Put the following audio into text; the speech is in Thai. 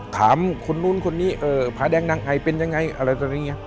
ถามคนนู้นคนนี้พาแดงนางไอเป็นยังไง